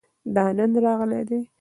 دا نن راغلی دی